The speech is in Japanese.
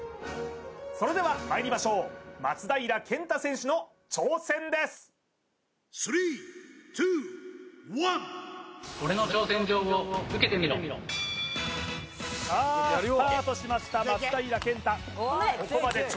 それではまいりましょう松平健太選手の挑戦ですさあスタートしました松平健太